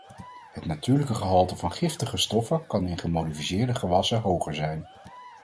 Het natuurlijke gehalte van giftige stoffen kan in gemodificeerde gewassen hoger zijn.